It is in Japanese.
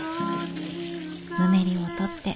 ぬめりを取って。